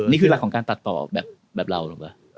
นี่คือหลักของการตัดต่อแบบเราถูกป่ะ